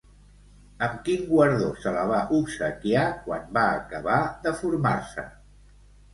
Amb quin guardó se la va obsequiar quan va acabar de formar-se?